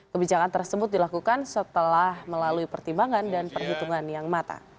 kebijakan tersebut dilakukan setelah melalui pertimbangan dan perhitungan yang mata